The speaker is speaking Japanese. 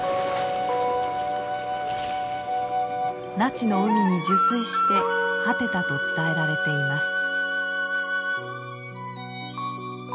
那智の海に入水して果てたと伝えられています。